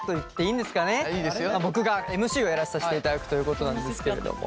僕がＭＣをやらさせていただくということなんですけれども。